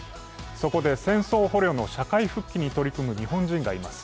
そこで戦争捕虜の社会復帰に取り組む日本人がいます。